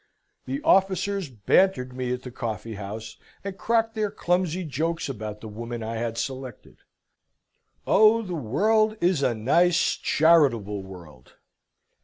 The officers bantered me at the coffee house, and cracked their clumsy jokes about the woman I had selected. Oh, the world is a nice charitable world!